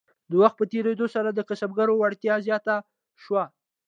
د وخت په تیریدو سره د کسبګرو وړتیا زیاته شوه.